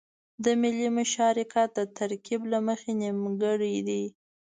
د ملي مشارکت د ترکيب له مخې نيمګړی دی.